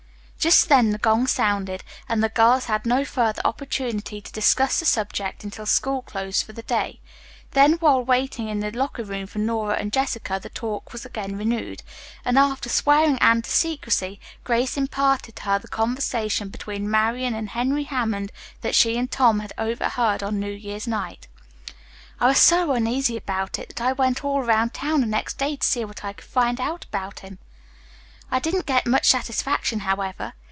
Just then the gong sounded, and the girls had no further opportunity to discuss the subject until school closed for the day, then while waiting in the locker room for Nora and Jessica, the talk was again renewed, and after swearing Anne to secrecy, Grace imparted to her the conversation between Marian and Henry Hammond that she and Tom had overheard on New Year's Night. "I was so uneasy about it that I went all around town the next day to see what I could find out about him. I didn't get much satisfaction, however.